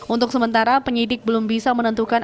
untuk sementara penyidik belum bisa menentukan